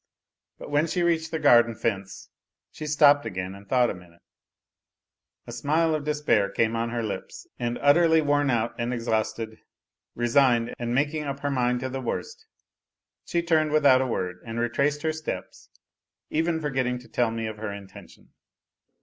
But when she reached the garden fence she stopped again and thought a minute ; a smile of des pair came on her lips, and utterly worn out and exhausted, resigned, and making up her mind to the worst, she turned with out a word and retraced her steps, even forgetting to tell me of her intention.